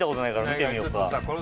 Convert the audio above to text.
見てみようよ。